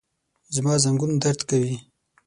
زما زنګون درد کوي